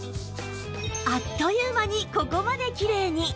あっという間にここまできれいに